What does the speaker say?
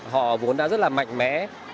họ vốn đã rất là mạnh mẽ